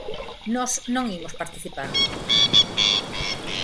Nós non imos participar.